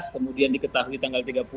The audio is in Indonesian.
kemudian diketahui tanggal tiga puluh